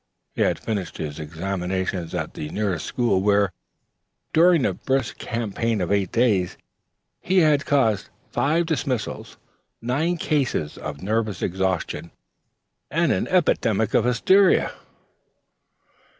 He had almost finished his examinations at the nearest school where, during a brisk campaign of eight days, he had caused five dismissals, nine cases of nervous exhaustion, and an epidemic of hysteria.